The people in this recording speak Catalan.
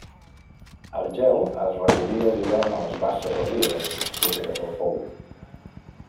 El gel es recollia a l'hivern a les basses o rieres properes al pou.